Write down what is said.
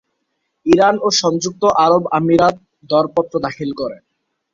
Iran ও সংযুক্ত আরব আমিরাত দরপত্র দাখিল করে।